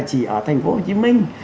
chỉ ở thành phố hồ chí minh